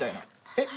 えっ！？